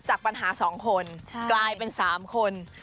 จากปัญหาสองคนกลายเป็นสามคน